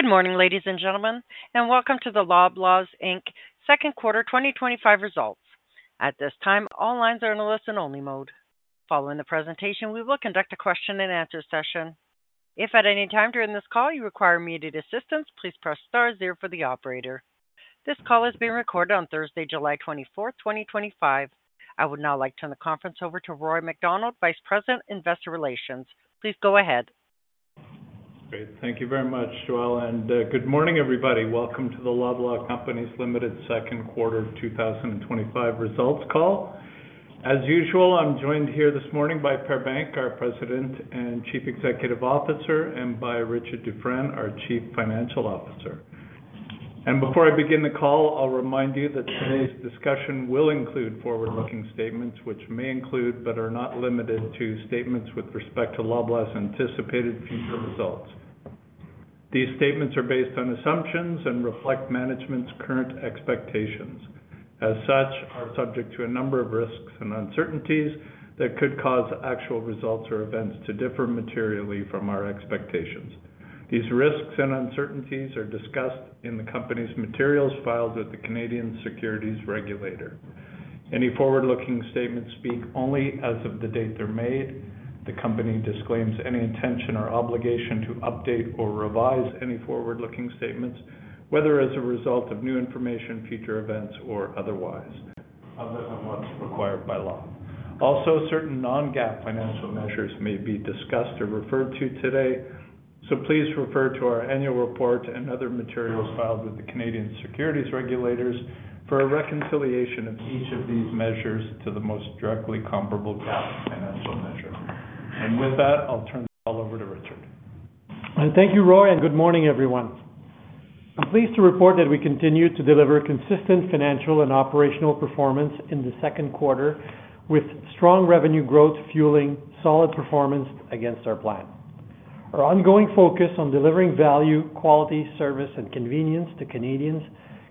Good morning, ladies and gentlemen, and welcome to the Loblaw Companies Limited second quarter 2025 results. At this time, all lines are in a listen-only mode. Following the presentation, we will conduct a question-and-answer session. If at any time during this call you require immediate assistance, please press star 0 for the operator. This call is being recorded on Thursday, July 24, 2025. I would now like to turn the conference over to Roy MacDonald, Vice President, Investor Relations. Please go ahead. Great. Thank you very much, Joelle. Good morning, everybody. Welcome to the Loblaw Companies Limited second quarter 2025 results call. As usual, I'm joined here this morning by Per Bank, our President and Chief Executive Officer, and by Richard Dufresne, our Chief Financial Officer. Before I begin the call, I'll remind you that today's discussion will include forward-looking statements, which may include but are not limited to statements with respect to Loblaw's anticipated future results. These statements are based on assumptions and reflect management's current expectations. As such, they are subject to a number of risks and uncertainties that could cause actual results or events to differ materially from our expectations. These risks and uncertainties are discussed in the company's materials filed with the Canadian securities regulator. Any forward-looking statements speak only as of the date they're made. The company disclaims any intention or obligation to update or revise any forward-looking statements, whether as a result of new information, future events, or otherwise, other than what's required by law. Also, certain non-GAAP financial measures may be discussed or referred to today, so please refer to our annual report and other materials filed with the Canadian securities regulators for a reconciliation of each of these measures to the most directly comparable GAAP financial measure. With that, I'll turn the call over to Richard. Thank you, Roy, and good morning, everyone. I'm pleased to report that we continue to deliver consistent financial and operational performance in the second quarter, with strong revenue growth fueling solid performance against our plan. Our ongoing focus on delivering value, quality, service, and convenience to Canadians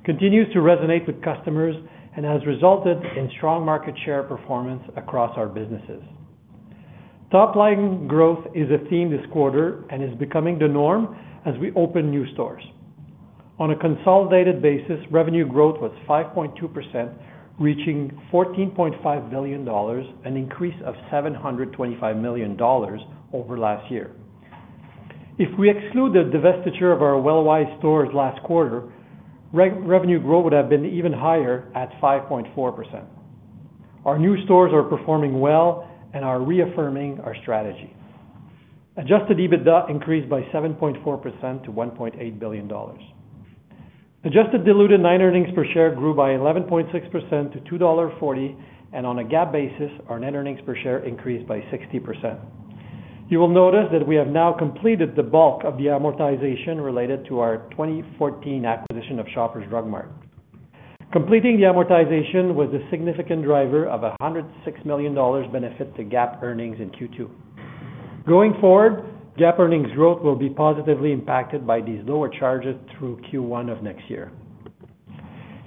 continues to resonate with customers and has resulted in strong market share performance across our businesses. Top-line growth is a theme this quarter and is becoming the norm as we open new stores. On a consolidated basis, revenue growth was 5.2%, reaching CAD 14.5 billion, an increase of CAD 725 million over last year. If we exclude the divestiture of our Wellwise stores last quarter, revenue growth would have been even higher at 5.4%. Our new stores are performing well and are reaffirming our strategy. Adjusted EBITDA increased by 7.4% to 1.8 billion dollars. Adjusted diluted net earnings per share grew by 11.6% to 2.40 dollar, and on a GAAP basis, our net earnings per share increased by 60%. You will notice that we have now completed the bulk of the amortization related to our 2014 acquisition of Shoppers Drug Mart. Completing the amortization was a significant driver of a 106 million dollars benefit to GAAP earnings in Q2. Going forward, GAAP earnings growth will be positively impacted by these lower charges through Q1 of next year.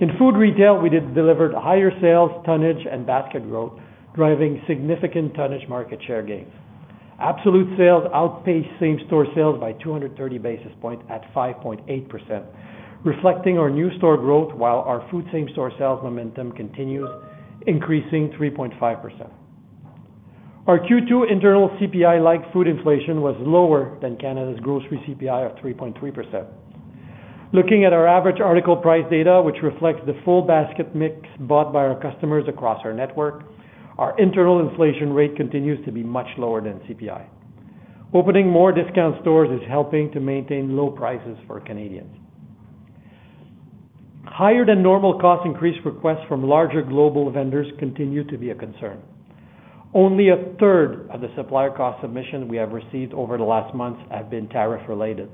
In food retail, we delivered higher sales, tonnage, and basket growth, driving significant tonnage market share gains. Absolute sales outpaced same-store sales by 230 basis points at 5.8%, reflecting our new store growth while our food same-store sales momentum continues, increasing 3.5%. Our Q2 internal CPI-like food inflation was lower than Canada's grocery CPI of 3.3%. Looking at our average article price data, which reflects the full basket mix bought by our customers across our network, our internal inflation rate continues to be much lower than CPI. Opening more discount stores is helping to maintain low prices for Canadians. Higher-than-normal cost increase requests from larger global vendors continue to be a concern. Only a third of the supplier cost submissions we have received over the last months have been tariff-related.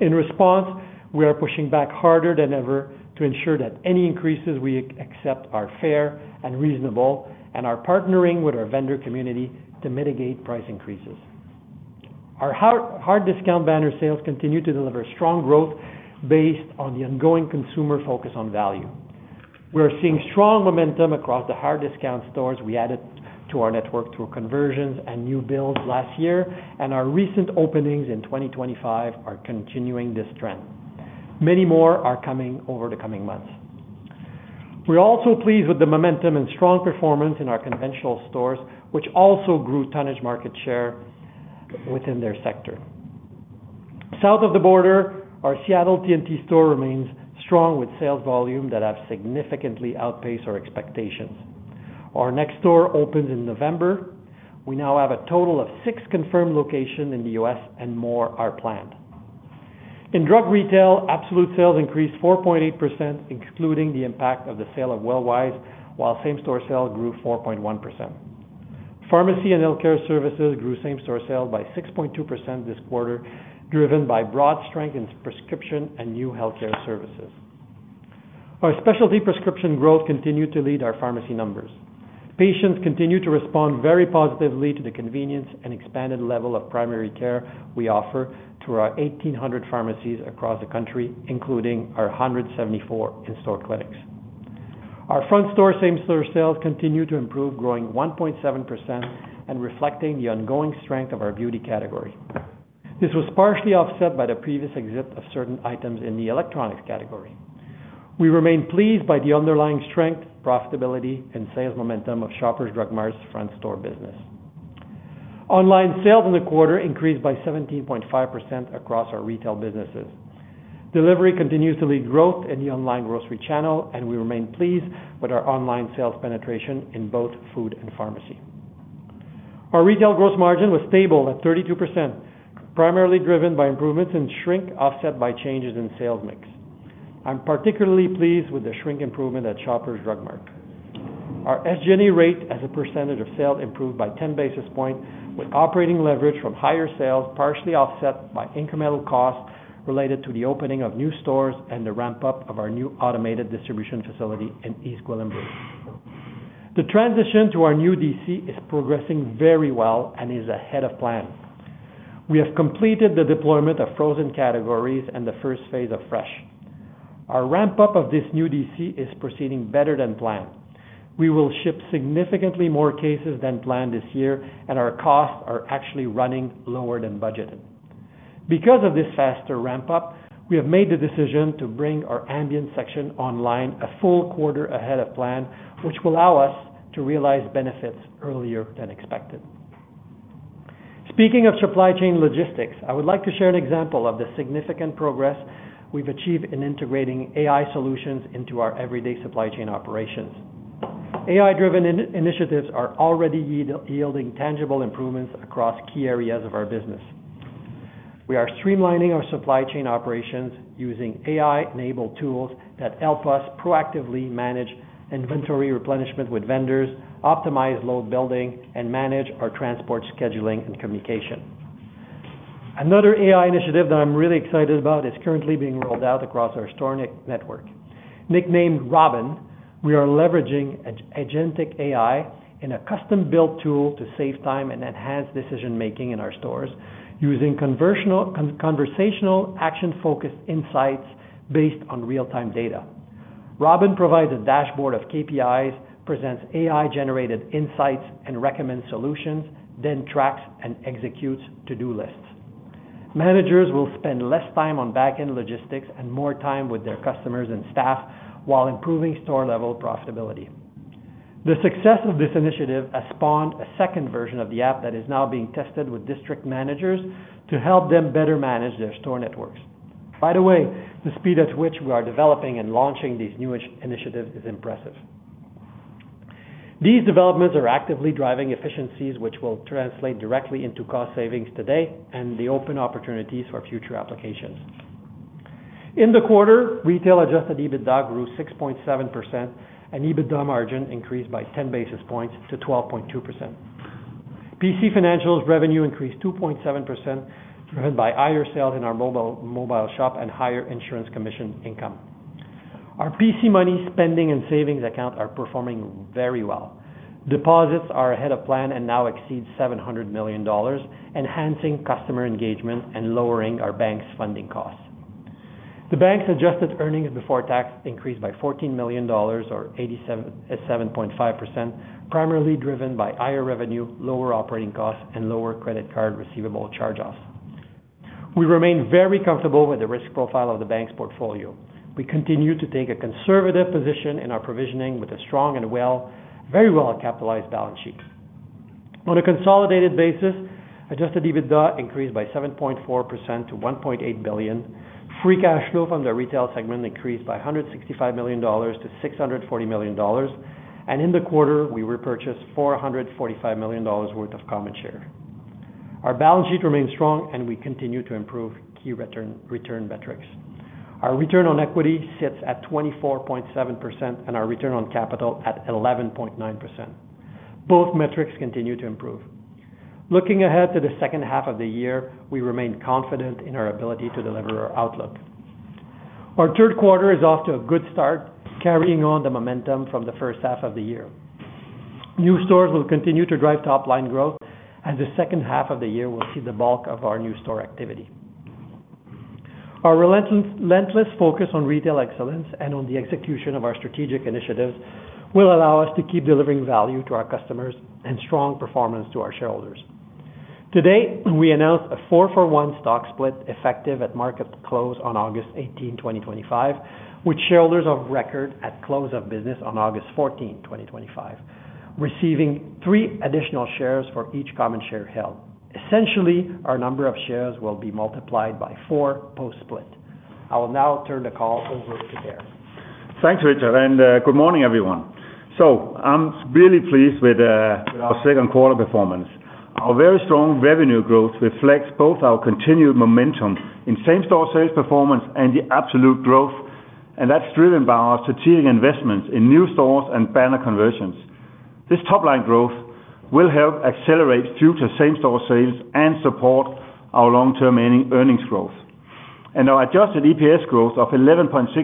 In response, we are pushing back harder than ever to ensure that any increases we accept are fair and reasonable, and are partnering with our vendor community to mitigate price increases. Our hard discount banner sales continue to deliver strong growth based on the ongoing consumer focus on value. We are seeing strong momentum across the hard discount stores we added to our network through conversions and new builds last year, and our recent openings in 2025 are continuing this trend. Many more are coming over the coming months. We're also pleased with the momentum and strong performance in our conventional stores, which also grew tonnage market share within their sector. South of the border, our Seattle T&T store remains strong with sales volume that have significantly outpaced our expectations. Our next store opens in November. We now have a total of six confirmed locations in the U.S., and more are planned. In drug retail, absolute sales increased 4.8%, excluding the impact of the sale of Wellwise, while same-store sales grew 4.1%. Pharmacy and healthcare services grew same-store sales by 6.2% this quarter, driven by broad strength in prescription and new healthcare services. Our specialty prescription growth continued to lead our pharmacy numbers. Patients continue to respond very positively to the convenience and expanded level of primary care we offer to our 1,800 pharmacies across the country, including our 174 in-store clinics. Our front-store same-store sales continue to improve, growing 1.7% and reflecting the ongoing strength of our beauty category. This was partially offset by the previous exit of certain items in the electronics category. We remain pleased by the underlying strength, profitability, and sales momentum of Shoppers Drug Mart's front-store business. Online sales in the quarter increased by 17.5% across our retail businesses. Delivery continues to lead growth in the online grocery channel, and we remain pleased with our online sales penetration in both food and pharmacy. Our retail gross margin was stable at 32%, primarily driven by improvements in shrink offset by changes in sales mix. I'm particularly pleased with the shrink improvement at Shoppers Drug Mart. Our SG&A rate as a percentage of sales improved by 10 basis points with operating leverage from higher sales partially offset by incremental costs related to the opening of new stores and the ramp-up of our new automated distribution facility in East Gwillimbury. The transition to our new DC is progressing very well and is ahead of plan. We have completed the deployment of frozen categories and the first phase of fresh. Our ramp-up of this new DC is proceeding better than planned. We will ship significantly more cases than planned this year, and our costs are actually running lower than budgeted. Because of this faster ramp-up, we have made the decision to bring our ambient section online a full quarter ahead of plan, which will allow us to realize benefits earlier than expected. Speaking of supply chain logistics, I would like to share an example of the significant progress we've achieved in integrating AI solutions into our everyday supply chain operations. AI-driven initiatives are already yielding tangible improvements across key areas of our business. We are streamlining our supply chain operations using AI-enabled tools that help us proactively manage inventory replenishment with vendors, optimize load building, and manage our transport scheduling and communication. Another AI initiative that I'm really excited about is currently being rolled out across our store network. Nicknamed Robin, we are leveraging agentic AI in a custom-built tool to save time and enhance decision-making in our stores using conversational action-focused insights based on real-time data. Robin provides a dashboard of KPIs, presents AI-generated insights, and recommends solutions, then tracks and executes to-do lists. Managers will spend less time on back-end logistics and more time with their customers and staff while improving store-level profitability. The success of this initiative has spawned a second version of the app that is now being tested with district managers to help them better manage their store networks. By the way, the speed at which we are developing and launching these new initiatives is impressive. These developments are actively driving efficiencies, which will translate directly into cost savings today and open opportunities for future applications. In the quarter, retail adjusted EBITDA grew 6.7%, and EBITDA margin increased by 10 basis points to 12.2%. PC Financial's revenue increased 2.7%, driven by higher sales in our mobile shop and higher insurance commission income. Our PC Money spending and savings account are performing very well. Deposits are ahead of plan and now exceed 700 million dollars, enhancing customer engagement and lowering our bank's funding costs. The bank's adjusted earnings before tax increased by 14 million dollars, or 87.5%, primarily driven by higher revenue, lower operating costs, and lower credit card receivable charge-offs. We remain very comfortable with the risk profile of the bank's portfolio. We continue to take a conservative position in our provisioning with a strong and very well-capitalized balance sheet. On a consolidated basis, adjusted EBITDA increased by 7.4% to 1.8 billion. Free cash flow from the retail segment increased by 165 million-640 million dollars. In the quarter, we repurchased 445 million dollars worth of common shares. Our balance sheet remains strong, and we continue to improve key return metrics. Our return on equity sits at 24.7%, and our return on capital at 11.9%. Both metrics continue to improve. Looking ahead to the second half of the year, we remain confident in our ability to deliver our outlook. Our third quarter is off to a good start, carrying on the momentum from the first half of the year. New stores will continue to drive top-line growth, and the second half of the year will see the bulk of our new store activity. Our relentless focus on retail excellence and on the execution of our strategic initiatives will allow us to keep delivering value to our customers and strong performance to our shareholders. Today, we announced a 4-for-1 stock split effective at market close on August 18, 2025, with shareholders of record at close of business on August 14, 2025, receiving three additional shares for each common share held. Essentially, our number of shares will be multiplied by four post-split. I will now turn the call over to Per Bank. Thanks, Richard, and good morning, everyone. I'm really pleased with our second quarter performance. Our very strong revenue growth reflects both our continued momentum in same-store sales performance and the absolute growth, and that's driven by our strategic investments in new stores and banner conversions. This top-line growth will help accelerate future same-store sales and support our long-term earnings growth. Our adjusted EPS growth of 11.6%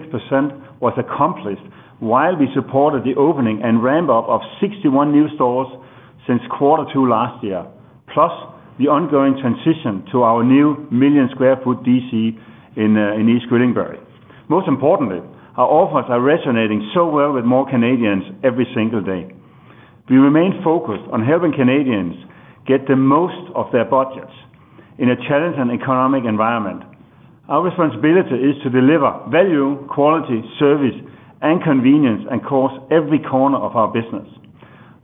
was accomplished while we supported the opening and ramp-up of 61 new stores since quarter two last year, plus the ongoing transition to our new million sq ft DC in East Gwillimbury. Most importantly, our offers are resonating so well with more Canadians every single day. We remain focused on helping Canadians get the most of their budgets in a challenging economic environment. Our responsibility is to deliver value, quality, service, and convenience across every corner of our business.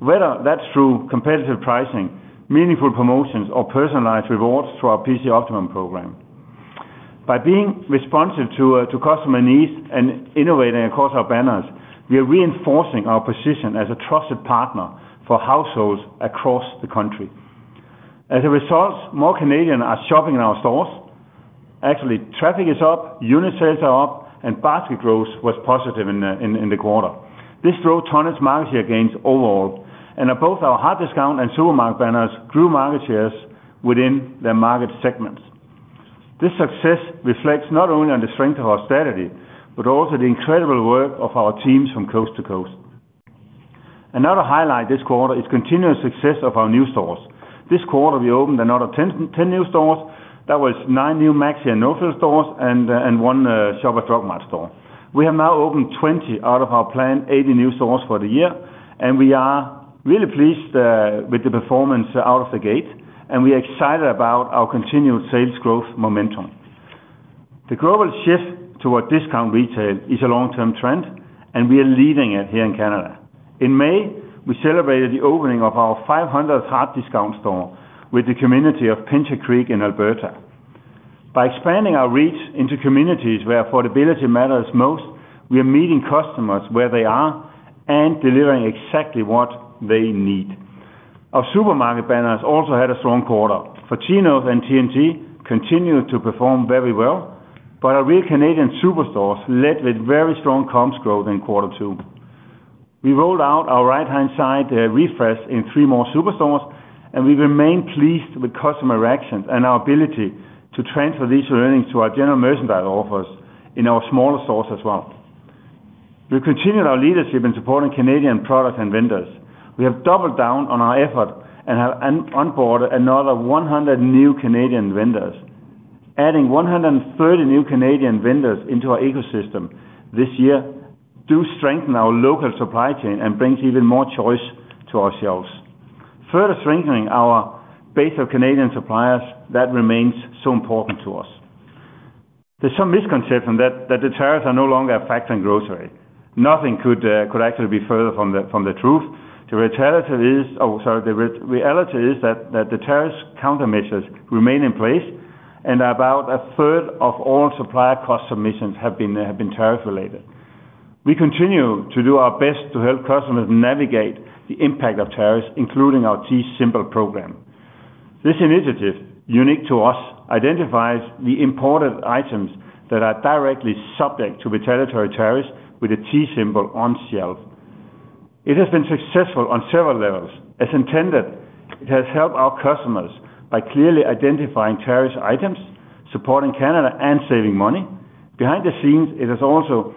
Whether that's through competitive pricing, meaningful promotions, or personalized rewards through our PC Optimum program. By being responsive to customer needs and innovating across our banners, we are reinforcing our position as a trusted partner for households across the country. As a result, more Canadians are shopping in our stores. Actually, traffic is up, unit sales are up, and basket growth was positive in the quarter. This drove tonnage market share gains overall, and both our hard discount and supermarket banners grew market shares within their market segments. This success reflects not only the strength of our strategy but also the incredible work of our teams from coast to coast. Another highlight this quarter is the continued success of our new stores. This quarter, we opened another 10 new stores. That was nine new Maxi and No Frills stores and one Shoppers Drug Mart store. We have now opened 20 out of our planned 80 new stores for the year, and we are really pleased with the performance out of the gate, and we are excited about our continued sales growth momentum. The global shift toward discount retail is a long-term trend, and we are leading it here in Canada. In May, we celebrated the opening of our 500th hard discount store with the community of Pinter Creek in Alberta. By expanding our reach into communities where affordability matters most, we are meeting customers where they are and delivering exactly what they need. Our supermarket banners also had a strong quarter. T&T continued to perform very well, but our Real Canadian Superstores led with very strong comps growth in quarter two. We rolled out our right-hand side refresh in three more superstores, and we remain pleased with customer reactions and our ability to transfer these earnings to our general merchandise offers in our smaller stores as well. We continued our leadership in supporting Canadian products and vendors. We have doubled down on our effort and have onboarded another 100 new Canadian vendors. Adding 130 new Canadian vendors into our ecosystem this year does strengthen our local supply chain and brings even more choice to our shelves, further strengthening our base of Canadian suppliers that remains so important to us. There's some misconception that the tariffs are no longer a factor in grocery. Nothing could actually be further from the truth. The reality is that the tariff countermeasures remain in place, and about a third of all supplier cost submissions have been tariff-related. We continue to do our best to help customers navigate the impact of tariffs, including our T-Symbol program. This initiative, unique to us, identifies the imported items that are directly subject to the territory tariffs with a T-Symbol on shelf. It has been successful on several levels. As intended, it has helped our customers by clearly identifying tariffs items, supporting Canada, and saving money. Behind the scenes, it has also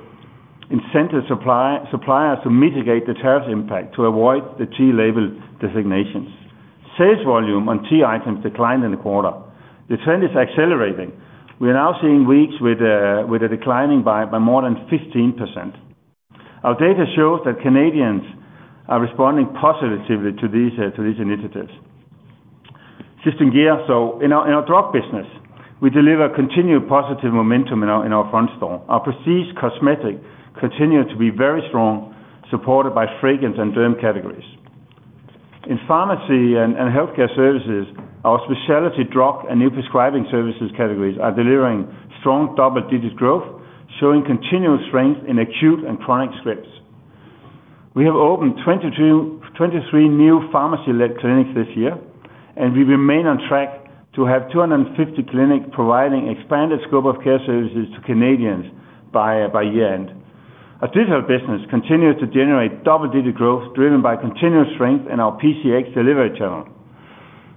incentivized suppliers to mitigate the tariff impact to avoid the T-label designations. Sales volume on T-items declined in the quarter. The trend is accelerating. We are now seeing weeks with a declining by more than 15%. Our data shows that Canadians are responding positively to these initiatives. Shifting gears, in our drug business, we deliver continued positive momentum in our front store. Our prestige cosmetic continues to be very strong, supported by fragrance and derm categories. In pharmacy and healthcare services, our specialty drug and new prescribing services categories are delivering strong double-digit growth, showing continued strength in acute and chronic scripts. We have opened 23 new pharmacy-led clinics this year, and we remain on track to have 250 clinics providing expanded scope of care services to Canadians by year-end. Our digital business continues to generate double-digit growth, driven by continued strength in our PCX delivery channel.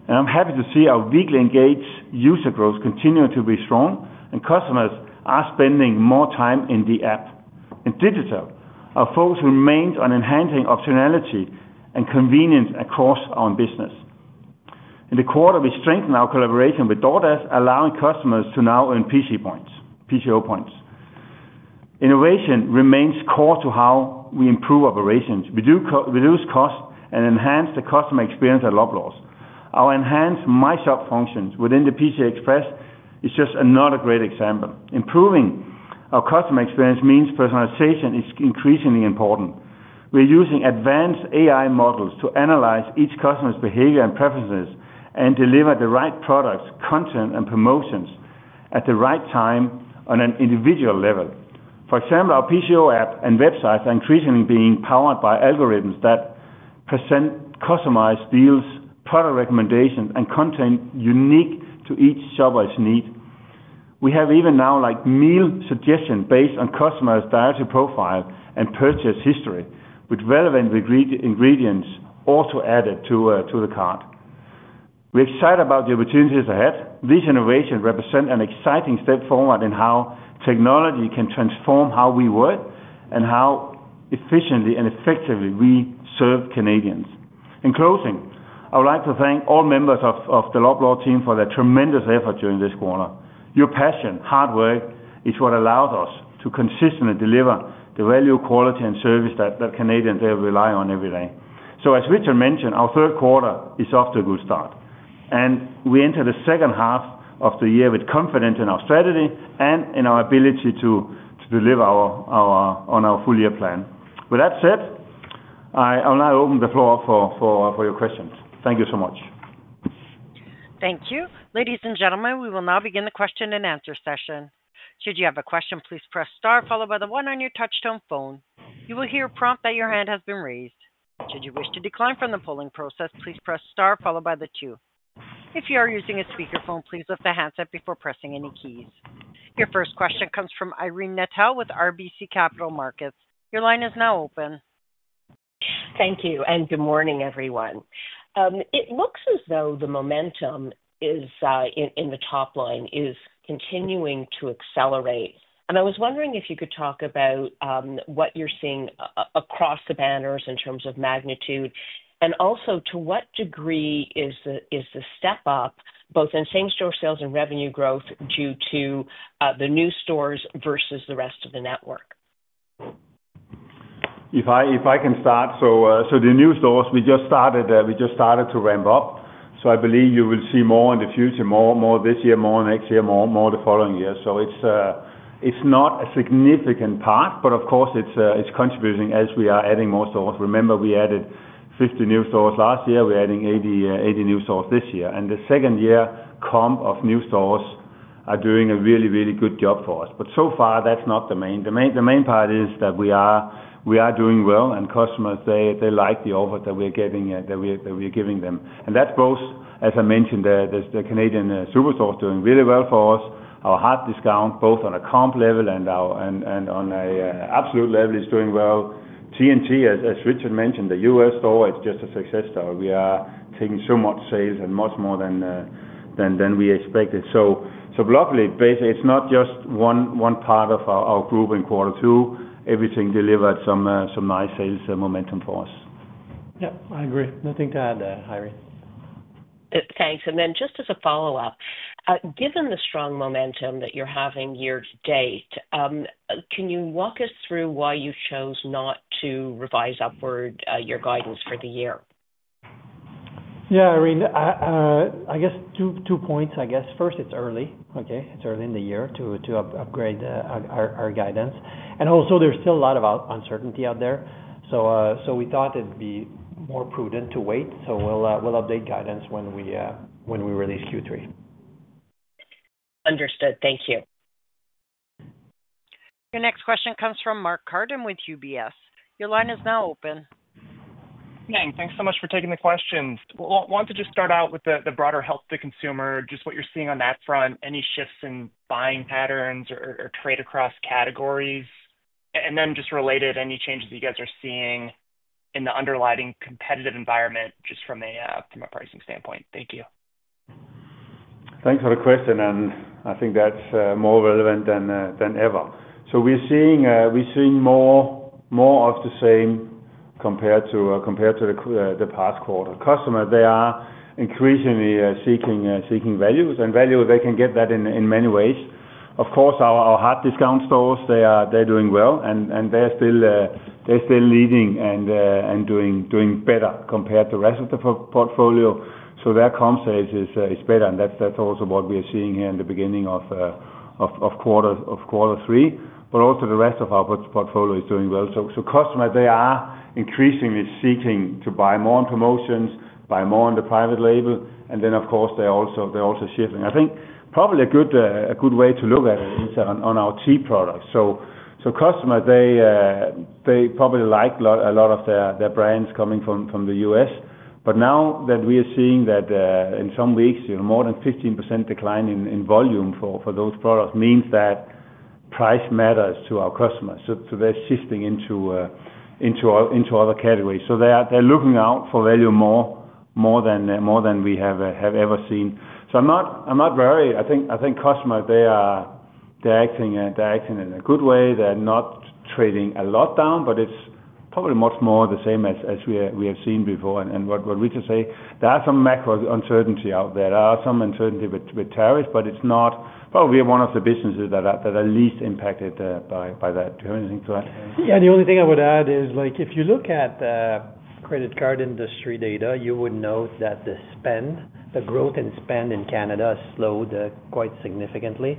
I'm happy to see our weekly engaged user growth continuing to be strong, and customers are spending more time in the app. In digital, our focus remains on enhancing optionality and convenience across our business. In the quarter, we strengthened our collaboration with DoorDash, allowing customers to now earn PCO points. Innovation remains core to how we improve operations. We reduce costs and enhance the customer experience at Loblaw. Our enhanced My Shop functions within the PC Express is just another great example. Improving our customer experience means personalization is increasingly important. We're using advanced AI models to analyze each customer's behavior and preferences and deliver the right products, content, and promotions at the right time on an individual level. For example, our PCO app and websites are increasingly being powered by algorithms that present customized deals, product recommendations, and content unique to each shopper's need. We have even now meal suggestions based on customers' dietary profile and purchase history, with relevant ingredients also added to the cart. We're excited about the opportunities ahead. These innovations represent an exciting step forward in how technology can transform how we work and how efficiently and effectively we serve Canadians. In closing, I would like to thank all members of the Loblaw team for their tremendous effort during this quarter. Your passion, hard work, is what allows us to consistently deliver the value, quality, and service that Canadians rely on every day. As Richard mentioned, our third quarter is off to a good start, and we enter the second half of the year with confidence in our strategy and in our ability to deliver on our full-year plan. With that said, I'll now open the floor up for your questions. Thank you so much. Thank you. Ladies and gentlemen, we will now begin the question-and-answer session. Should you have a question, please press star followed by the one on your touchstone phone. You will hear a prompt that your hand has been raised. Should you wish to decline from the polling process, please press star followed by the two. If you are using a speakerphone, please lift the handset before pressing any keys. Your first question comes from Irene Nattel with RBC Capital Markets. Your line is now open. Thank you, and good morning, everyone. It looks as though the momentum in the top line is continuing to accelerate. I was wondering if you could talk about what you're seeing across the banners in terms of magnitude, and also to what degree is the step up both in same-store sales and revenue growth due to the new stores versus the rest of the network? If I can start, the new stores, we just started to ramp up. I believe you will see more in the future, more this year, more next year, more the following year. It is not a significant part, but of course, it is contributing as we are adding more stores. Remember, we added 50 new stores last year. We are adding 80 new stores this year. The second-year comp of new stores are doing a really, really good job for us. So far, that is not the main. The main part is that we are doing well, and customers, they like the offer that we are giving them. That is both, as I mentioned, the Canadian superstores doing really well for us. Our hard discount, both on a comp level and on an absolute level, is doing well. T&T, as Richard mentioned, the US store, it is just a success store. We are taking so much sales and much more than we expected. Luckily, it is not just one part of our group in quarter two. Everything delivered some nice sales momentum for us. Yep, I agree. Nothing to add there, Irene. Thanks, and then just as a follow-up, given the strong momentum that you're having year to date, can you walk us through why you chose not to revise upward your guidance for the year? Yeah, I guess two points, I guess. First, it's early, okay? It's early in the year to upgrade our guidance. Also, there's still a lot of uncertainty out there. We thought it'd be more prudent to wait. We'll update guidance when we release Q3. Understood. Thank you. Your next question comes from Mark Carden with UBS. Your line is now open. Thanks so much for taking the questions. Wanted to just start out with the broader health to consumer, just what you're seeing on that front, any shifts in buying patterns or trade across categories, and then just related, any changes you guys are seeing in the underlying competitive environment just from a pricing standpoint. Thank you. Thanks for the question, and I think that's more relevant than ever. We're seeing more of the same compared to the past quarter. Customers, they are increasingly seeking values, and value, they can get that in many ways. Of course, our hard discount stores, they're doing well, and they're still leading and doing better compared to the rest of the portfolio. Their comp sales is better, and that's also what we are seeing here in the beginning of quarter three. Also, the rest of our portfolio is doing well. Customers, they are increasingly seeking to buy more on promotions, buy more on the private label, and then, of course, they're also shifting. I think probably a good way to look at it is on our T-products. Customers, they probably like a lot of their brands coming from the U.S. But now that we are seeing that in some weeks, more than 15% decline in volume for those products means that price matters to our customers. They're shifting into other categories. They're looking out for value more than we have ever seen. I'm not worried. I think customers, they're acting in a good way. They're not trading a lot down, but it's probably much more the same as we have seen before. What Richard said, there are some macro uncertainty out there. There are some uncertainty with tariffs, but it's not probably one of the businesses that are least impacted by that. Do you have anything to add? Yeah, the only thing I would add is if you look at the credit card industry data, you would note that the growth in spend in Canada slowed quite significantly.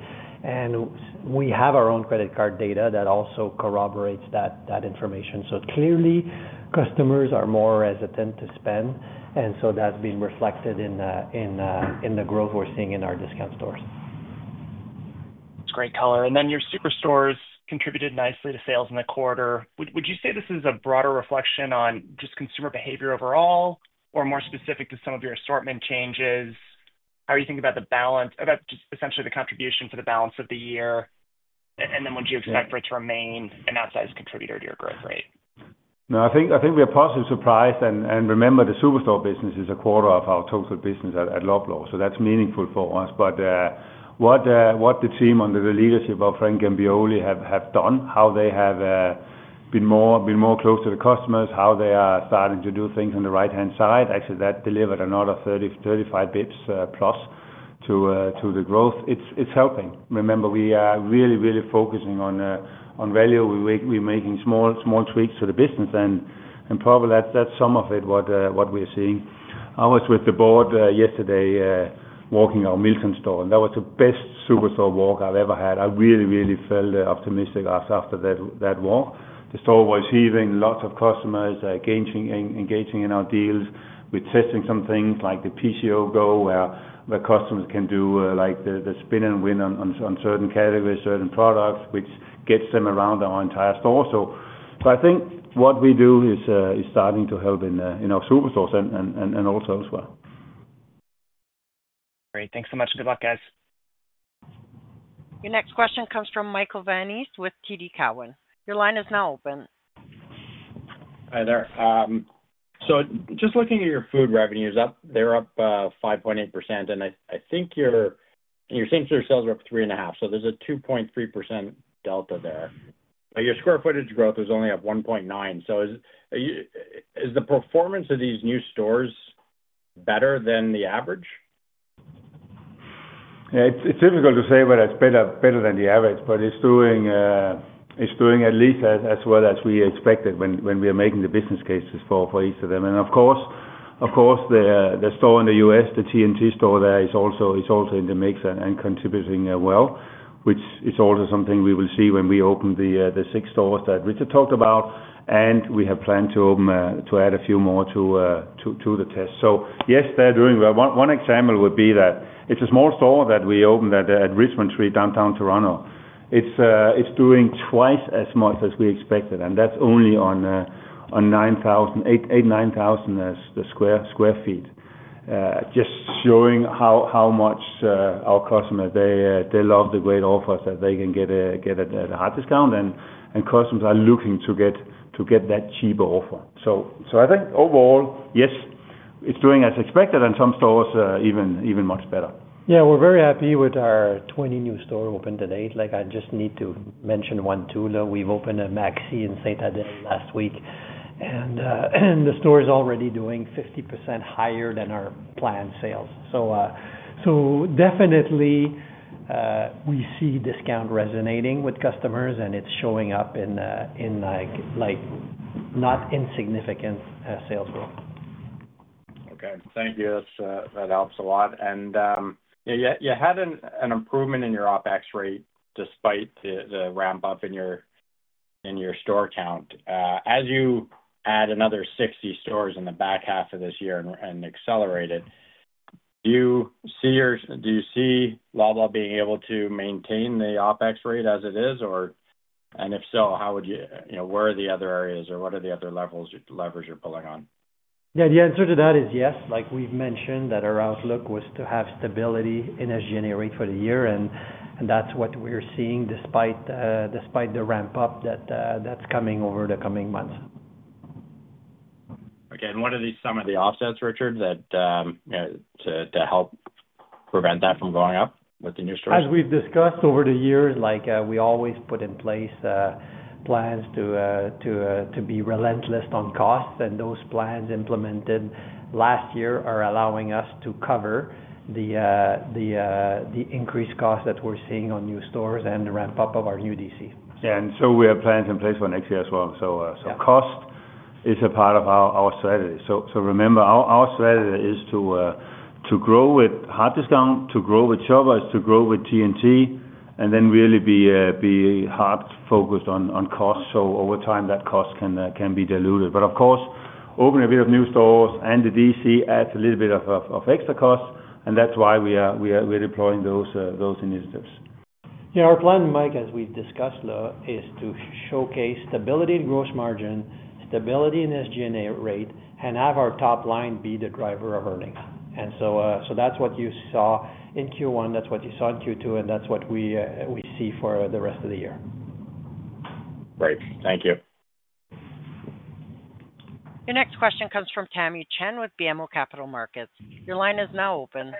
We have our own credit card data that also corroborates that information. Clearly, customers are more hesitant to spend, and that's been reflected in the growth we're seeing in our discount stores. That's great color. Your superstores contributed nicely to sales in the quarter. Would you say this is a broader reflection on just consumer behavior overall or more specific to some of your assortment changes? How do you think about the balance, about just essentially the contribution to the balance of the year? Would you expect for it to remain an outsized contributor to your growth rate? No, I think we are positively surprised. Remember, the superstore business is a quarter of our total business at Loblaw, so that's meaningful for us. What the team under the leadership of Frank Gambioli have done, how they have been more close to the customers, how they are starting to do things on the right-hand side, actually, that delivered another 35 basis points plus to the growth. It's helping. Remember, we are really, really focusing on value. We're making small tweaks to the business, and probably that's some of it what we are seeing. I was with the board yesterday walking our Milton store, and that was the best superstore walk I've ever had. I really, really felt optimistic after that walk. The store was heaving, lots of customers engaging in our deals. We're testing some things like the PCO Go, where customers can do the spin and win on certain categories, certain products, which gets them around our entire store. I think what we do is starting to help in our superstores and also elsewhere. Great. Thanks so much. Good luck, guys. Your next question comes from Michael Van Aelst with TD Cowen. Your line is now open. Hi there. Just looking at your food revenues, they're up 5.8%, and I think your same-store sales are up 3.5%. There's a 2.3% delta there. Your square footage growth is only up 1.9%. Is the performance of these new stores better than the average? Yeah, it's difficult to say whether it's better than the average, but it's doing at least as well as we expected when we were making the business cases for each of them. Of course, the store in the U.S., the T&T store there, is also in the mix and contributing well, which is also something we will see when we open the six stores that Richard talked about, and we have planned to add a few more to the test. Yes, they're doing well. One example would be that it's a small store that we opened at Richmond Street, downtown Toronto. It's doing twice as much as we expected, and that's only on 8,000 sq ft, just showing how much our customers, they love the great offers that they can get at the hard discount, and customers are looking to get that cheaper offer. I think overall, yes, it's doing as expected, and some stores even much better. Yeah, we're very happy with our 20 new stores opened to date. I just need to mention one too. We've opened a Maxi in Sainte-Dorothée last week, and the store is already doing 50% higher than our planned sales. Definitely, we see discount resonating with customers, and it's showing up in not insignificant sales growth. Okay. Thank you. That helps a lot. You had an improvement in your OpEx rate despite the ramp-up in your store count. As you add another 60 stores in the back half of this year and accelerate it, do you see Loblaw being able to maintain the OpEx rate as it is? If so, where are the other areas, or what are the other levers you're pulling on? Yeah, the answer to that is yes. Like we've mentioned, our outlook was to have stability in a generic for the year, and that's what we're seeing despite the ramp-up that's coming over the coming months. Okay. What are some of the offsets, Richard, that help prevent that from going up with the new stores? As we've discussed over the years, we always put in place plans to be relentless on costs, and those plans implemented last year are allowing us to cover the increased costs that we're seeing on new stores and the ramp-up of our new DCs. Yeah, and we have plans in place for next year as well. Cost is a part of our strategy. Remember, our strategy is to grow with hard discount, to grow with Shoppers, to grow with T&T, and then really be hard-focused on costs. Over time, that cost can be diluted. Of course, opening a bit of new stores and the DC adds a little bit of extra costs, and that is why we are deploying those initiatives. Yeah, our plan, Mike, as we've discussed, is to showcase stability in gross margin, stability in SG&A rate, and have our top line be the driver of earnings. That's what you saw in Q1. That's what you saw in Q2, and that's what we see for the rest of the year. Great. Thank you. Your next question comes from Tamy Chen with BMO Capital Markets. Your line is now open.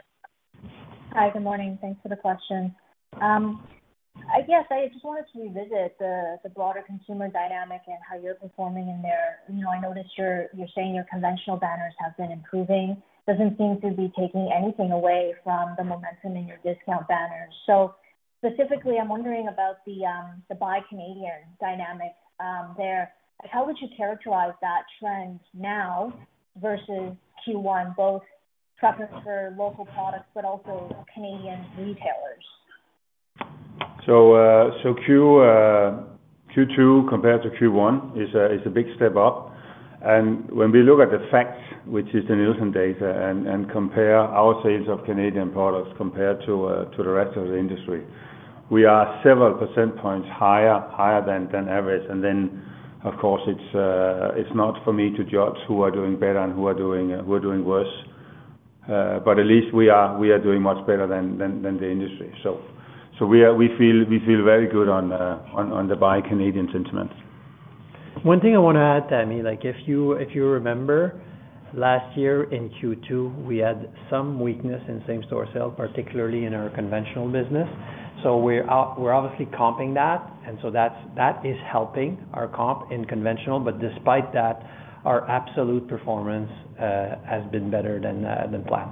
Hi, good morning. Thanks for the question. I guess I just wanted to revisit the broader consumer dynamic and how you're performing in there. I noticed you're saying your conventional banners have been improving. Doesn't seem to be taking anything away from the momentum in your discount banners. Specifically, I'm wondering about the Buy Canadian dynamic there. How would you characterize that trend now versus Q1, both preference for local products but also Canadian retailers? Q2 compared to Q1 is a big step up. When we look at the facts, which is the Nielsen data, and compare our sales of Canadian products compared to the rest of the industry, we are several percentage points higher than average. Of course, it is not for me to judge who are doing better and who are doing worse. At least we are doing much better than the industry. We feel very good on the Buy Canadian sentiment. One thing I want to add, Tammy, if you remember. Last year in Q2, we had some weakness in same-store sales, particularly in our conventional business. We are obviously comping that, and that is helping our comp in conventional. Despite that, our absolute performance has been better than planned.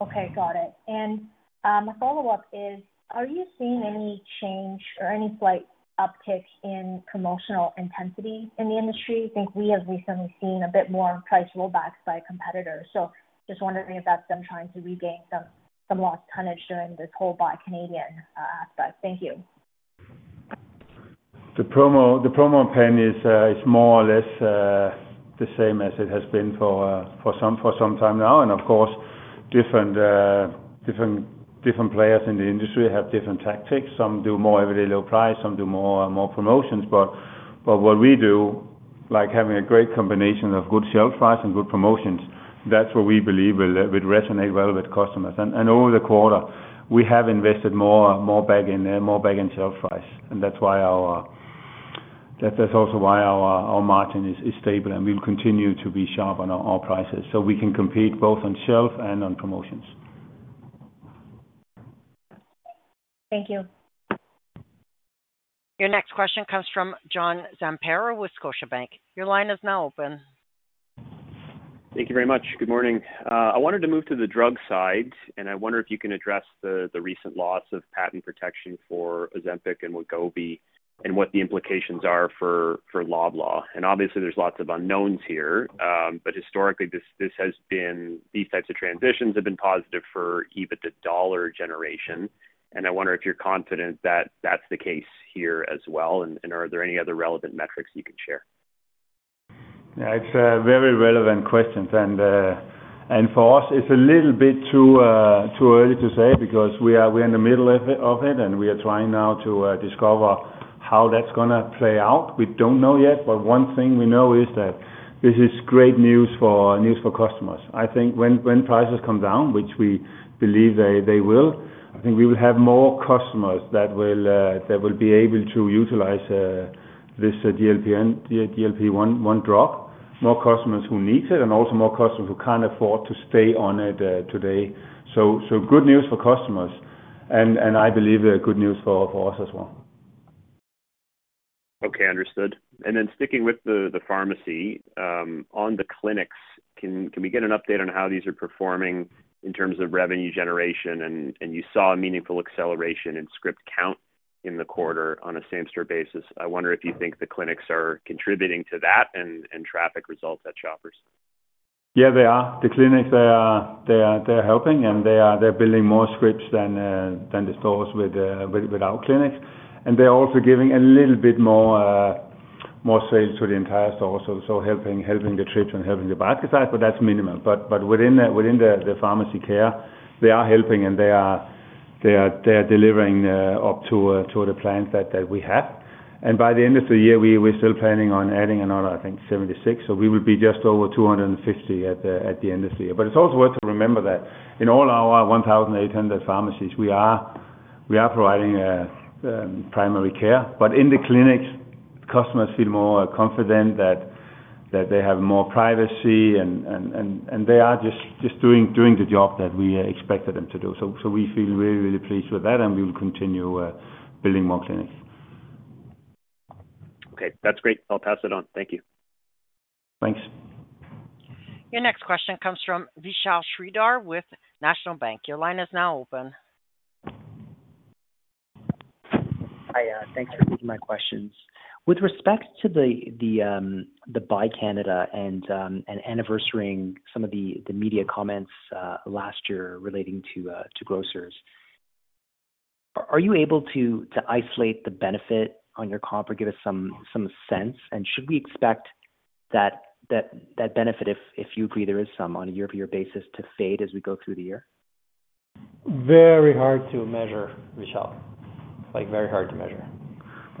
Okay, got it. My follow-up is, are you seeing any change or any slight uptick in promotional intensity in the industry? I think we have recently seen a bit more price rollbacks by competitors. Just wondering if that's them trying to regain some lost tonnage during this whole Buy Canadian aspect. Thank you. The promo pen is more or less the same as it has been for some time now. Of course, different players in the industry have different tactics. Some do more everyday low price, some do more promotions. What we do, like having a great combination of good shelf price and good promotions, that's what we believe will resonate well with customers. Over the quarter, we have invested more back in shelf price. That's also why our margin is stable, and we'll continue to be sharp on our prices so we can compete both on shelf and on promotions. Thank you. Your next question comes from John Zamparo with Scotiabank. Your line is now open. Thank you very much. Good morning. I wanted to move to the drug side, and I wonder if you can address the recent loss of patent protection for Ozempic and Wegovy and what the implications are for Loblaw. Obviously, there's lots of unknowns here, but historically, these types of transitions have been positive for even the dollar generation. I wonder if you're confident that that's the case here as well, and are there any other relevant metrics you can share? Yeah, it's a very relevant question. For us, it's a little bit too early to say because we are in the middle of it, and we are trying now to discover how that's going to play out. We don't know yet, but one thing we know is that this is great news for customers. I think when prices come down, which we believe they will, I think we will have more customers that will be able to utilize this GLP-1 drug, more customers who need it, and also more customers who can't afford to stay on it today. Good news for customers, and I believe good news for us as well. Okay, understood. Then sticking with the pharmacy, on the clinics, can we get an update on how these are performing in terms of revenue generation? You saw a meaningful acceleration in script count in the quarter on a same-store basis. I wonder if you think the clinics are contributing to that and traffic results at Shoppers. Yeah, they are. The clinics, they are helping, and they are building more scripts than the stores without clinics. They are also giving a little bit more sales to the entire store, so helping the trips and helping the basket size, but that's minimal. Within the pharmacy care, they are helping, and they are delivering up to the plans that we have. By the end of the year, we're still planning on adding another, I think, 76. We will be just over 250 at the end of the year. It is also worth remembering that in all our 1,800 pharmacies, we are providing primary care. In the clinics, customers feel more confident that they have more privacy, and they are just doing the job that we expected them to do. We feel really, really pleased with that, and we will continue building more clinics. Okay, that's great. I'll pass it on. Thank you. Thanks. Your next question comes from Vishal Shreedhar with National Bank. Your line is now open. Hi, thanks for taking my questions. With respect to the Buy Canada and anniversarying some of the media comments last year relating to grocers, are you able to isolate the benefit on your comp or give us some sense? Should we expect that benefit, if you agree there is some, on a year-over-year basis, to fade as we go through the year? Very hard to measure, Vishal. Very hard to measure.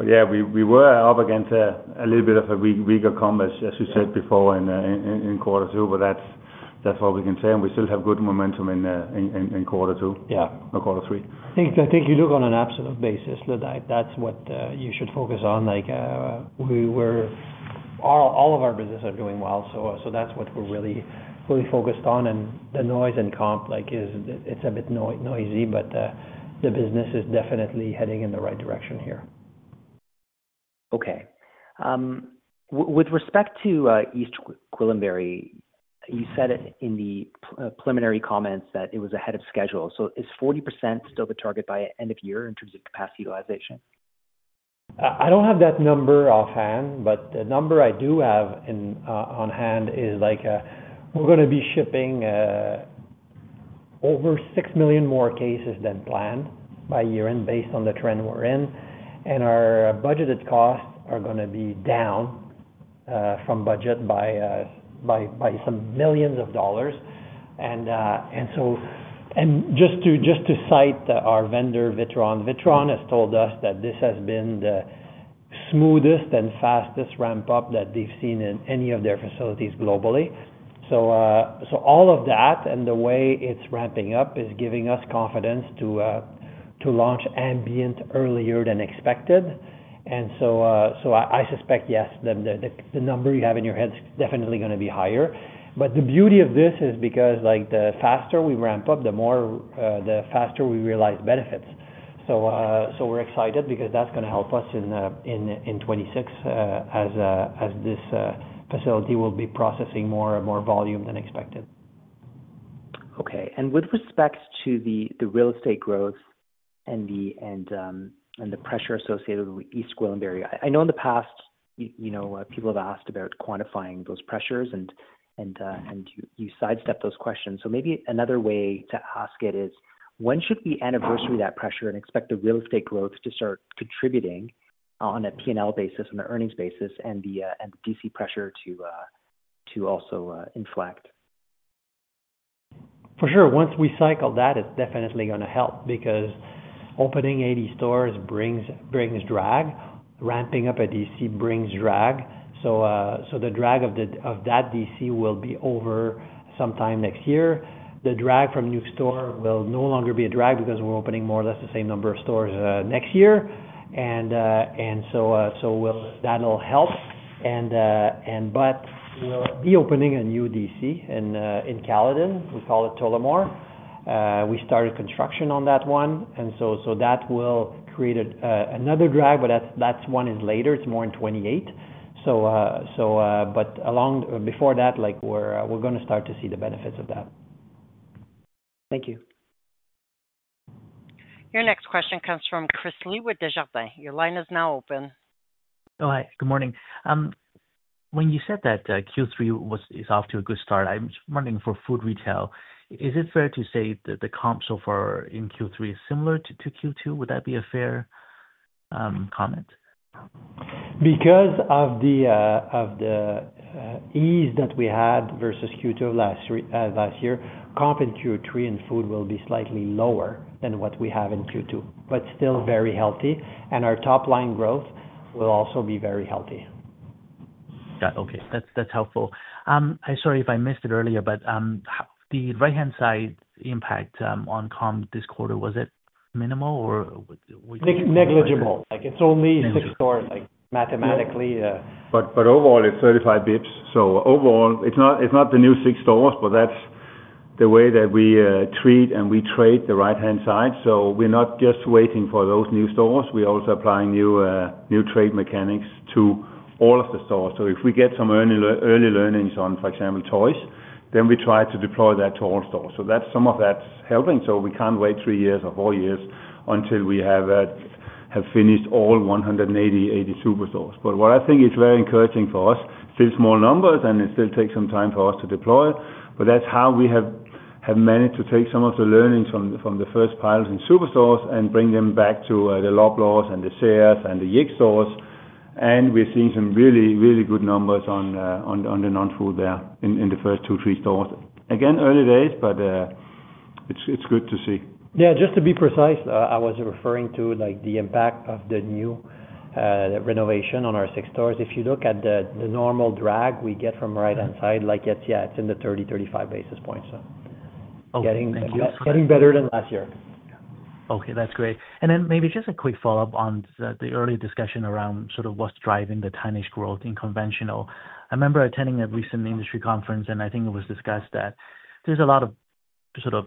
Yeah, we were up against a little bit of a weaker comp, as you said before, in quarter two, but that's what we can say. We still have good momentum in quarter two or quarter three. I think you look on an absolute basis, that's what you should focus on. All of our businesses are doing well, so that's what we're really fully focused on. The noise in comp, it's a bit noisy, but the business is definitely heading in the right direction here. Okay. With respect to East Gwillimbury, you said in the preliminary comments that it was ahead of schedule. Is 40% still the target by end of year in terms of capacity utilization? I don't have that number offhand, but the number I do have on hand is we're going to be shipping over 6 million more cases than planned by year-end based on the trend we're in. And our budgeted costs are going to be down from budget by some millions of dollars. Just to cite our vendor, Vitron. Vitron has told us that this has been the smoothest and fastest ramp-up that they've seen in any of their facilities globally. All of that and the way it's ramping up is giving us confidence to launch ambient earlier than expected. I suspect, yes, the number you have in your head is definitely going to be higher. The beauty of this is because the faster we ramp up, the more faster we realize benefits. We're excited because that's going to help us in '26 as this facility will be processing more volume than expected. Okay. With respect to the real estate growth and the pressure associated with East Gwillimbury, I know in the past people have asked about quantifying those pressures, and you sidestep those questions. Maybe another way to ask it is, when should we anniversary that pressure and expect the real estate growth to start contributing on a P&L basis, on the earnings basis, and the DC pressure to also inflect? For sure. Once we cycle that, it's definitely going to help because opening 80 stores brings drag. Ramping up a DC brings drag. The drag of that DC will be over sometime next year. The drag from new store will no longer be a drag because we're opening more or less the same number of stores next year. That'll help. We'll be opening a new DC in Caledon. We call it Tullamore. We started construction on that one. That will create another drag, but that one is later. It's more in 2028. Before that, we're going to start to see the benefits of that. Thank you. Your next question comes from Chris Li with Desjardins. Your line is now open. Hi, good morning. When you said that Q3 is off to a good start, I'm just wondering for food retail, is it fair to say that the comp so far in Q3 is similar to Q2? Would that be a fair comment? Because of the ease that we had versus Q2 of last year, comp in Q3 in food will be slightly lower than what we have in Q2, but still very healthy. Our top line growth will also be very healthy. Got it. Okay. That's helpful. Sorry if I missed it earlier, but the right-hand side impact on comp this quarter, was it minimal or? Negligible. It is only six stores. Mathematically. Overall, it's 35 basis points. Overall, it's not the new six stores, but that's the way that we treat and we trade the right-hand side. We're not just waiting for those new stores. We're also applying new trade mechanics to all of the stores. If we get some early learnings on, for example, toys, then we try to deploy that to all stores. Some of that's helping. We can't wait three years or four years until we have finished all 180 superstores. What I think is very encouraging for us, still small numbers, and it still takes some time for us to deploy. That's how we have managed to take some of the learnings from the first pilots in superstores and bring them back to the Loblaws and the Zehrs and the YIG stores. We're seeing some really, really good numbers on the non-food there in the first two, three stores. Again, early days, but it's good to see. Yeah. Just to be precise, I was referring to the impact of the new renovation on our six stores. If you look at the normal drag we get from right-hand side, yeah, it's in the 30-35 basis points. So getting better than last year. Okay. That's great. Maybe just a quick follow-up on the earlier discussion around sort of what's driving the tonnage growth in conventional. I remember attending a recent industry conference, and I think it was discussed that there's a lot of sort of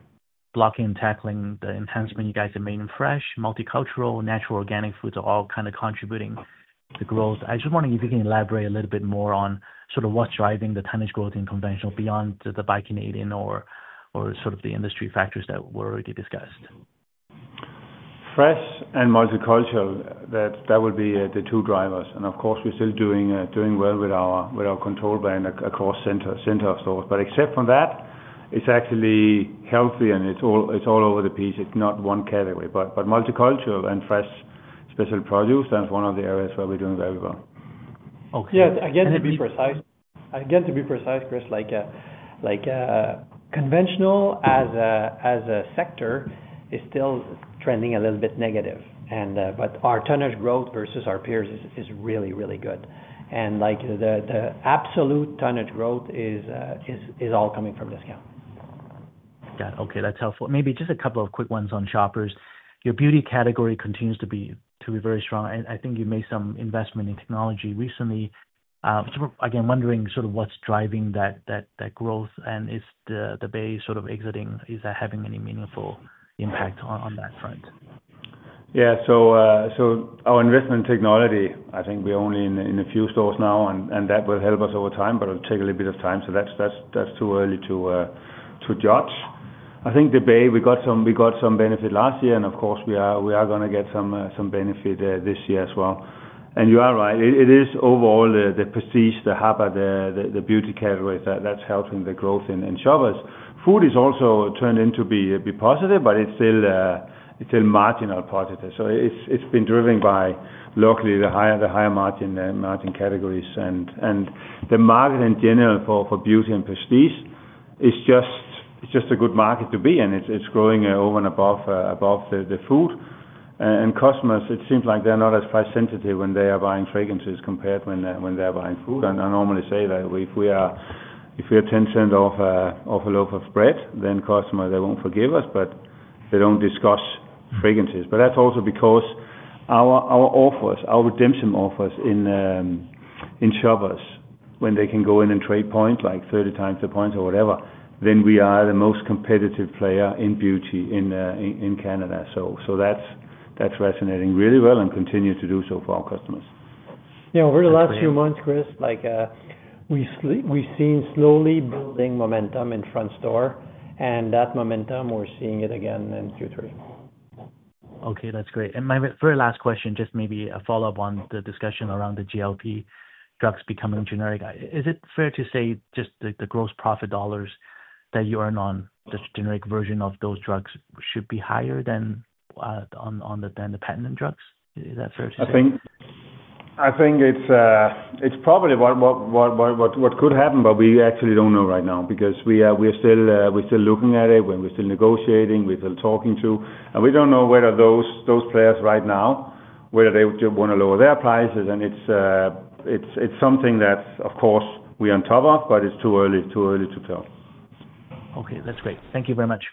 blocking and tackling, the enhancement you guys have made in fresh, multicultural, natural organic foods are all kind of contributing to growth. I just wonder if you can elaborate a little bit more on sort of what's driving the tonnage growth in conventional beyond the Buy Canadian or sort of the industry factors that were already discussed. Fresh and multicultural, that would be the two drivers. Of course, we're still doing well with our control brand across center stores. Except for that, it's actually healthy, and it's all over the piece. It's not one category. Multicultural and fresh special produce, that's one of the areas where we're doing very well. Yeah. Again, to be precise, Chris. Conventional as a sector is still trending a little bit negative. Our tonnage growth versus our peers is really, really good. The absolute tonnage growth is all coming from discount. Got it. Okay. That's helpful. Maybe just a couple of quick ones on Shoppers. Your beauty category continues to be very strong. And I think you made some investment in technology recently. Again, wondering sort of what's driving that growth, and is The Bay sort of exiting, is that having any meaningful impact on that front? Yeah. Our investment in technology, I think we're only in a few stores now, and that will help us over time, but it'll take a little bit of time. It's too early to judge. I think The Bay, we got some benefit last year, and of course, we are going to get some benefit this year as well. You are right. It is overall the prestige, the hub, the beauty categories that's helping the growth in Shoppers. Food has also turned to be positive, but it's still marginal positive. It's been driven by, luckily, the higher margin categories. The market in general for beauty and prestige is just a good market to be in, and it's growing over and above the food. Customers, it seems like they're not as price-sensitive when they are buying fragrances compared to when they're buying food. I normally say that if we are 10 cents off a loaf of bread, then customers, they won't forgive us, but they don't discuss fragrances. That's also because our offers, our redemption offers in Shoppers, when they can go in and trade points like 30x the points or whatever, then we are the most competitive player in beauty in Canada. That's resonating really well and continues to do so for our customers. Yeah. Over the last few months, Chris, we've seen slowly building momentum in front store. And that momentum, we're seeing it again in Q3. Okay. That's great. My very last question, just maybe a follow-up on the discussion around the GLP-1 drugs becoming generic. Is it fair to say just the gross profit dollars that you earn on the generic version of those drugs should be higher than the patented drugs? Is that fair to say? I think it's probably what could happen, but we actually don't know right now because we're still looking at it. We're still negotiating. We're still talking to, and we don't know whether those players right now, whether they want to lower their prices. It's something that, of course, we're on top of, but it's too early to tell. Okay. That's great. Thank you very much.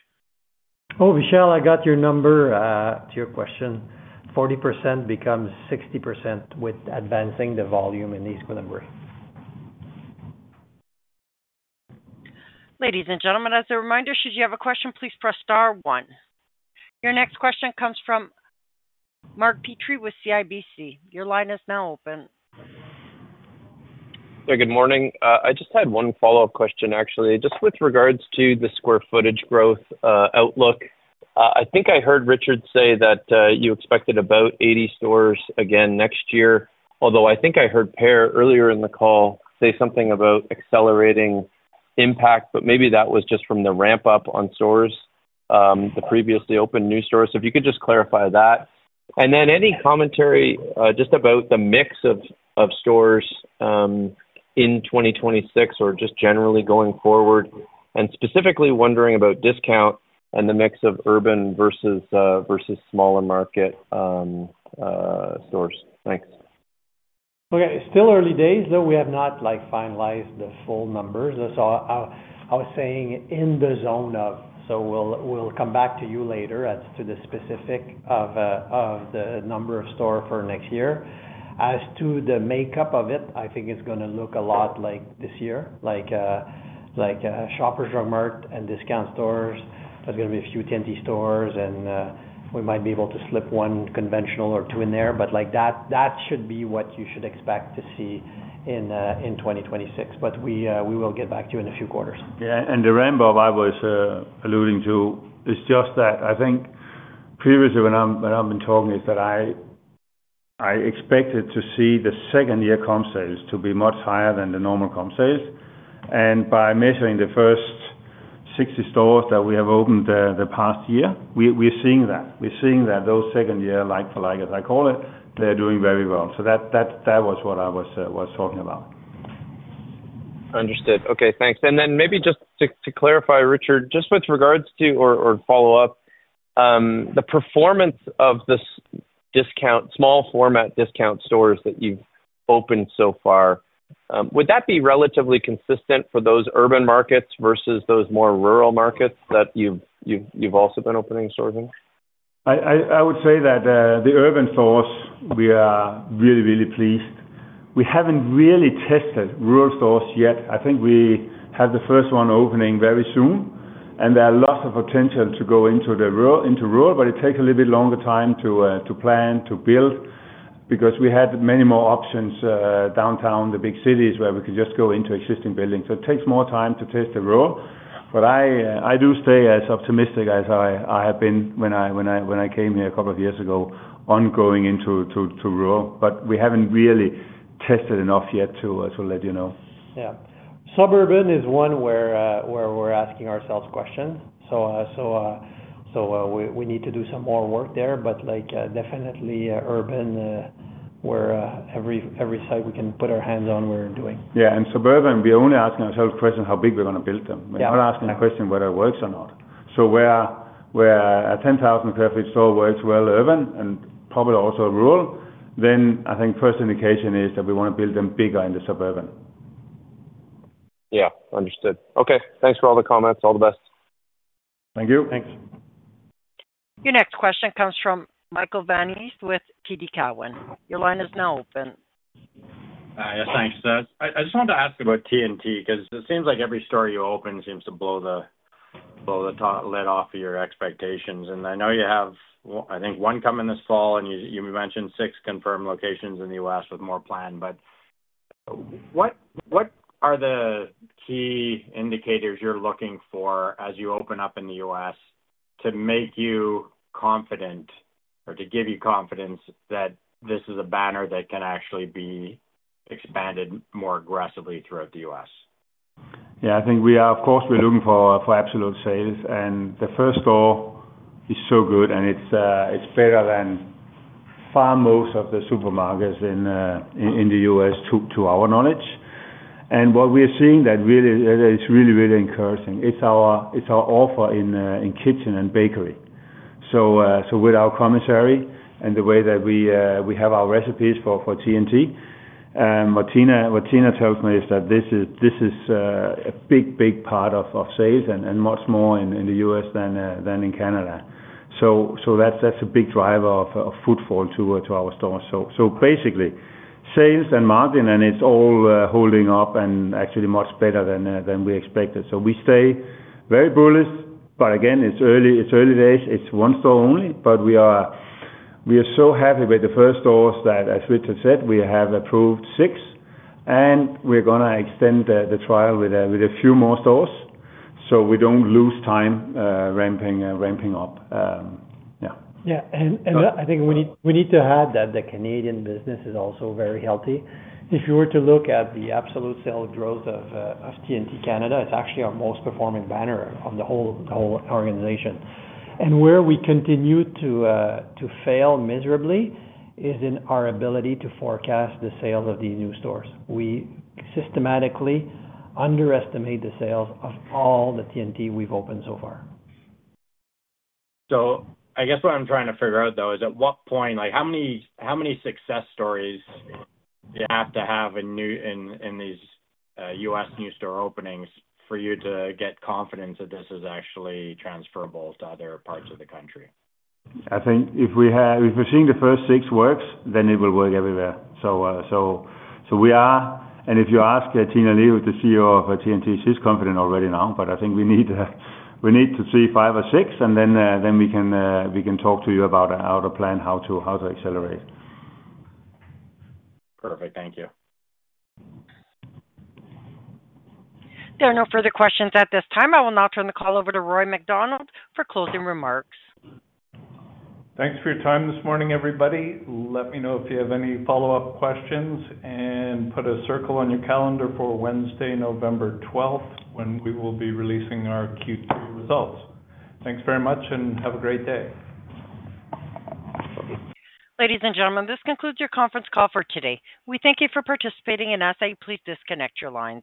Oh, Vishal, I got your number to your question. 40% becomes 60% with advancing the volume in East Gwillimbury. Ladies and gentlemen, as a reminder, should you have a question, please press star one. Your next question comes from Mark Petrie with CIBC. Your line is now open. Good morning. I just had one follow-up question, actually, just with regards to the square footage growth outlook. I think I heard Richard say that you expected about 80 stores again next year, although I think I heard Per earlier in the call say something about accelerating impact, but maybe that was just from the ramp-up on stores, the previously opened new stores. If you could just clarify that. Any commentary just about the mix of stores in 2026 or just generally going forward? Specifically wondering about discount and the mix of urban versus smaller market stores. Thanks. Okay. Still early days, though. We have not finalized the full numbers. So I was saying in the zone of. We will come back to you later as to the specifics of the number of stores for next year. As to the makeup of it, I think it is going to look a lot like this year, like Shoppers Drug Mart and discount stores. There are going to be a few T&T stores, and we might be able to slip one conventional or two in there. That should be what you should expect to see in 2026. We will get back to you in a few quarters. Yeah. The rainbow I was alluding to is just that. I think previously, when I've been talking, is that I expected to see the second-year comp sales to be much higher than the normal comp sales. By measuring the first 60 stores that we have opened the past year, we're seeing that. We're seeing that those second-year like-for-like, as I call it, they're doing very well. That was what I was talking about. Understood. Okay. Thanks. Maybe just to clarify, Richard, just with regards to or follow up. The performance of the small format discount stores that you've opened so far, would that be relatively consistent for those urban markets versus those more rural markets that you've also been opening stores in? I would say that the urban stores, we are really, really pleased. We have not really tested rural stores yet. I think we have the first one opening very soon. There are lots of potential to go into rural, but it takes a little bit longer time to plan, to build, because we had many more options downtown, the big cities where we could just go into existing buildings. It takes more time to test the rural. I do stay as optimistic as I have been when I came here a couple of years ago on going into rural. We have not really tested enough yet to let you know. Yeah. Suburban is one where we're asking ourselves questions. We need to do some more work there. Definitely urban. Where every site we can put our hands on, we're doing. Yeah. In suburban, we're only asking ourselves questions how big we're going to build them. We're not asking the question whether it works or not. Where a 10,000 sq ft store works well urban and probably also rural, then I think first indication is that we want to build them bigger in the suburban. Yeah. Understood. Okay. Thanks for all the comments. All the best. Thank you. Thanks. Your next question comes Michael Van Aelst with TD Cowen. Your line is now open. Yes. Thanks a lot. I just wanted to ask about T&T because it seems like every store you open seems to blow the top lid off your expectations. I know you have, I think, one coming this fall, and you mentioned six confirmed locations in the U.S. with more planned. What are the key indicators you're looking for as you open up in the U.S. to make you confident or to give you confidence that this is a banner that can actually be expanded more aggressively throughout the U.S.? Yeah. I think, of course, we're looking for absolute sales. The first store is so good, and it's better than far most of the supermarkets in the U.S. to our knowledge. What we are seeing that really is really, really encouraging is our offer in kitchen and bakery. With our commissary and the way that we have our recipes for T&T, Martina tells me that this is a big, big part of sales and much more in the U.S. than in Canada. That's a big driver of footfall to our stores. Basically, sales and margin, and it's all holding up and actually much better than we expected. We stay very bullish. Again, it's early days. It's one store only. We are so happy with the first stores that, as Richard said, we have approved six. We're going to extend the trial with a few more stores so we don't lose time ramping up. Yeah. Yeah. I think we need to add that the Canadian business is also very healthy. If you were to look at the absolute sales growth of T&T Canada, it is actually our most performing banner of the whole organization. Where we continue to fail miserably is in our ability to forecast the sales of these new stores. We systematically underestimate the sales of all the T&T we have opened so far. I guess what I'm trying to figure out, though, is at what point, how many success stories you have to have in these U.S. new store openings for you to get confidence that this is actually transferable to other parts of the country? I think if we're seeing the first six works, then it will work everywhere. We are. If you ask Tina Lee, the CEO of T&T, she's confident already now. I think we need to see five or six, and then we can talk to you about how to plan, how to accelerate. Perfect. Thank you. There are no further questions at this time. I will now turn the call over to Roy MacDonald for closing remarks. Thanks for your time this morning, everybody. Let me know if you have any follow-up questions and put a circle on your calendar for Wednesday, November 12, when we will be releasing our Q3 results. Thanks very much, and have a great day. Ladies and gentlemen, this concludes your conference call for today. We thank you for participating, and ask that you please disconnect your lines.